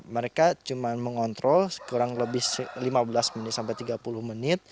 mereka cuma mengontrol kurang lebih lima belas menit sampai tiga puluh menit